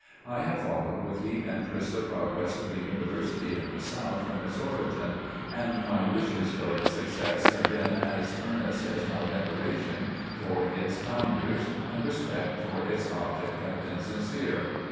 I have followed with deep interest the progress of The University of the South from its origin, and my wishes for its success have been as earnest as my veneration for its founders and respect for its object have been sincere.